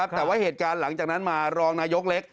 แต่ว่าเหตุการณ์หลังจากนั้นมารองนายกเล็ก